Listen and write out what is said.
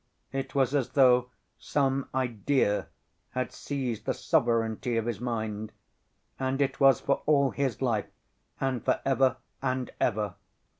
It was as though some idea had seized the sovereignty of his mind—and it was for all his life and for ever and ever.